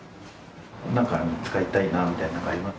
なんかに使いたいなみたいのあります？